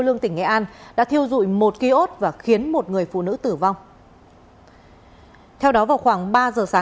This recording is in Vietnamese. lương công an đã thiêu rụi một ký ốt và khiến một người phụ nữ tử vong theo đó vào khoảng ba giờ sáng